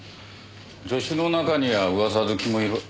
助手の中にはうわさ好きもいる。